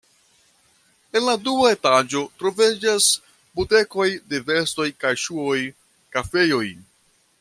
En la dua etaĝo troviĝas butikoj de vestoj kaj ŝuoj, kafejoj.